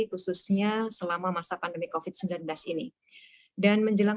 khususnya selama masa pandemi covid sembilan belas ini